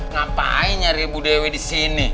ngapain nyari bu dewi disini